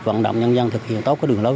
vận động nhân dân thực hiện tốt đường lối